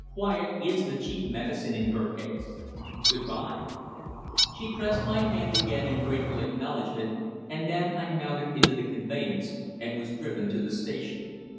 Quiet is the chief medicine in her case. Good bye." She pressed my hand again in grateful acknowledgment, and then I mounted into the conveyance and was driven to the station.